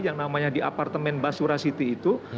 yang namanya di apartemen basura city itu